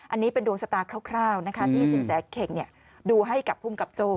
อันนี้เป็นดวงชะตาคร่าวนะคะที่สินแสเข่งดูให้กับภูมิกับโจ้